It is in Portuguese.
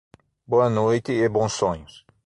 Boa noite, e bons sonhos.